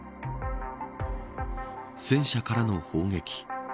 戦車からの砲撃。